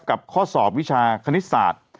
กับข้อสอบวิชาคณิตศาสตร์